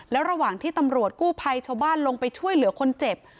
แล้วระหว่างที่ตำรวจกู้ภัยชาวบ้านลงไปช่วยเหลือคนเจ็บ